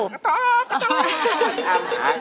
กระต๊อกกระต๊อก